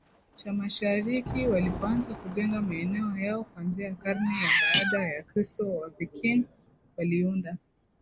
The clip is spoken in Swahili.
cha Mashariki walipoanza kujenga maeneo yao kuanzia karne ya baada ya kristo Waviking waliunda